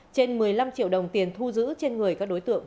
trên một mươi năm triệu đồng tiền thu giữ trên người các đối tượng